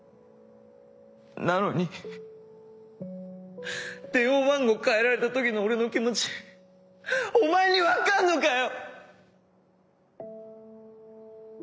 なのに電話番号変えられたときの俺の気持ちお前に分かんのかよ！